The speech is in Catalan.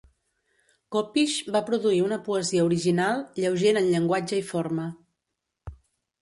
Kopisch va produir una poesia original, lleugera en llenguatge i forma.